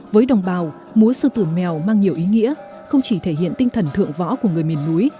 với đồng bào múa sư tử mèo mang nhiều ý nghĩa không chỉ thể hiện tinh thần thượng võ của người miền núi